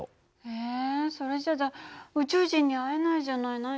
えそれじゃあ宇宙人に会えないじゃない。